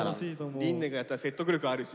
琳寧がやったら説得力あるし。